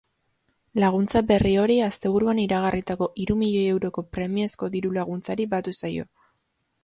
Laguntza berri hori asteburuan iragarritako hiru milioi euroko premiazko diru-laguntzari batu zaio.